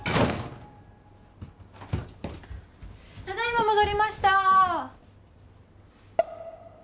ただいま戻りました